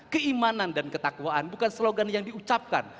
keimanan dan ketakwaan bukan slogan yang diucapkan